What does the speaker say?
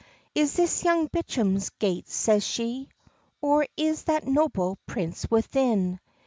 "Is this Young Bicham's gates?" says she. "Or is that noble prince within?"